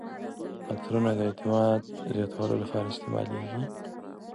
عطرونه د اعتماد زیاتولو لپاره استعمالیږي.